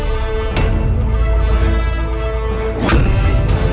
aku akan mencari bunda kuabias